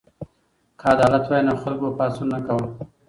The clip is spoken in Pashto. که عدالت وای نو خلکو به پاڅون نه کاوه.